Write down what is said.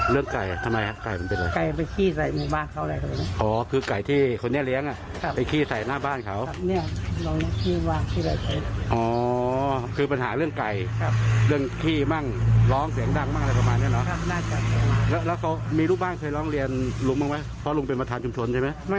แล้วเขามีลูกบ้านเคยร้องเรียนลุงบ้างไหมเพราะลุงเป็นประธานชุมชนใช่ไหม